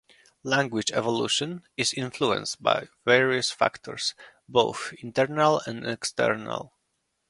Language evolution is influenced by various factors, both internal and external.